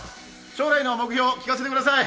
将来の目標、聞かせてください。